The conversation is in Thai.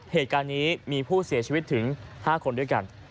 เหตุการณ์นี้มีผู้เสียชีวิตถึง๕คนด้วยกัน